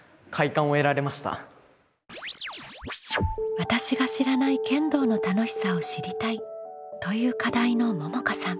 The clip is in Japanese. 「私が知らない剣道の楽しさを知りたい」という課題のももかさん。